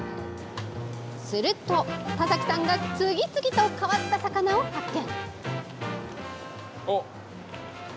すると、田崎さんが次々と変わった魚を発見。